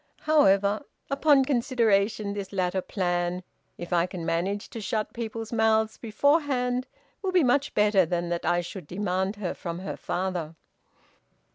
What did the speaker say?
However, upon consideration, this latter plan, if I can manage to shut people's mouths beforehand, will be much better than that I should demand her from her father."